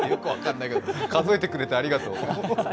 数えてくれてありがとう。